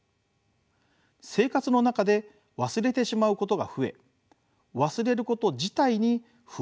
生活の中で忘れてしまうことが増え忘れること自体に不安を感じ